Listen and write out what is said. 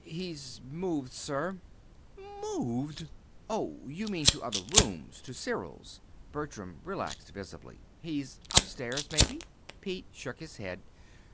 "He's moved, sir." "Moved! Oh, you mean to other rooms to Cyril's." Bertram relaxed visibly. "He's upstairs, maybe." Pete shook his head.